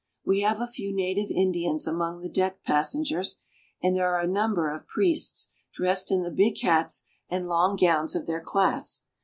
We have a few native Indians among the deck passengers, and there are a number of priests, dressed in the big hats and long gowns of their class.